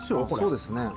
そうですね。